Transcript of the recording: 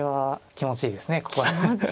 気持ちいいですね。